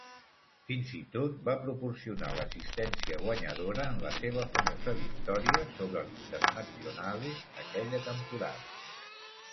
Fins i tot va proporcionar l'assistència guanyadora en la seva famosa victòria sobre el Internazionale d'aquella temporada.